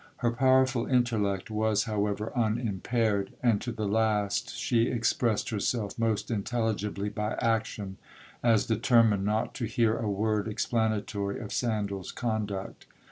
Her powerful intellect was, however, unimpaired; and to the last she expressed herself most intelligibly by action, as determined not to hear a word explanatory of Sandal's conduct.